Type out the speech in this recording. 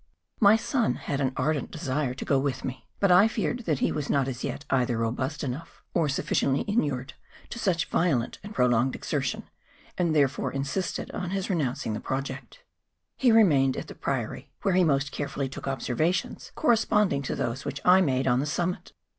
]\Iy son had an ardent desire to go with me ; but I feared that he was not as yet either robust enough, or sufficiently inured to such , B 2 MOUNTAIN ADVENTURES. violent and prolonged exertion, and therefore in¬ sisted on his renouncing the project. He remained at the Priory, where he most carefully took observ¬ ations corresponding to those which I made on the summit.